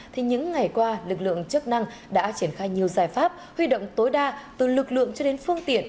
thì những ngày qua lực lượng chức năng đã triển khai nhiều giải pháp huy động tối đa từ lực lượng cho đến phương tiện